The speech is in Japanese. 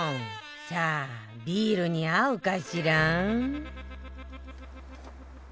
さあビールに合うかしら？